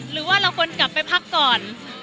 หรือว่าเราควรกลับไปพักก่อน